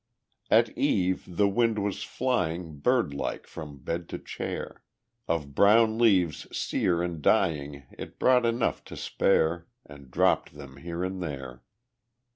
At eve the wind was flying Bird like from bed to chair, Of brown leaves sere and dying It brought enough to spare, And dropped them here and there.